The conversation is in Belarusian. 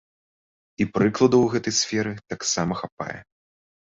І прыкладаў у гэтай сферы таксама хапае.